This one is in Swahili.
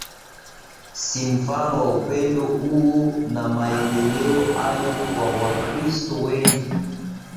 si mfano wa upendo huo na maendeleo hayo Kwa Wakristo wengi